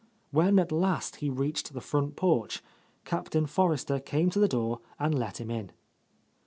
When at last he reached the front porch. Captain Forrester came to the door and let him in.